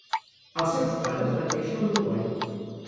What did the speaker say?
Els seus pares van néixer a l'Uruguai.